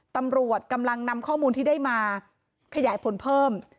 ตำรวจกำลังนำข้อมูลที่ได้มาขยายผลเพิ่ม